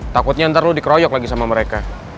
takutnya ntar lu dikeroyok lagi sama mereka